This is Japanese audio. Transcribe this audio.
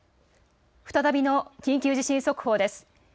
再びの緊急地震速報です。